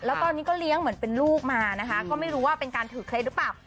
แล้วตอนนี้ก็เลี้ยงเหมือนเป็นลูกมานะคะก็ไม่รู้ว่าเป็นการถือเคล็ดหรือเปล่า